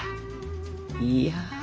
いや。